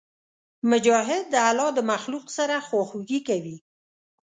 مجاهد د الله د مخلوق سره خواخوږي کوي.